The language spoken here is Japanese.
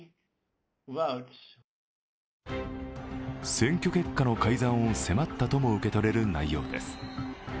選挙結果の改ざんを迫ったとも受け取れる内容です。